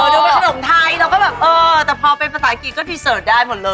ดูเป็นขนมไทยเราก็แบบเออแต่พอเป็นภาษาอังกฤษก็พรีเสิร์ตได้หมดเลย